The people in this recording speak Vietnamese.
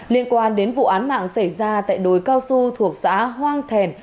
liên quan đến vụ án mạng xảy ra tại đồi cao su thuộc xã hoang thèn